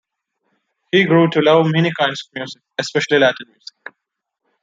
He grew to love many kinds of music, especially Latin music.